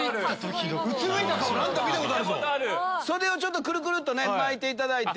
袖をくるくるっと巻いていただいて。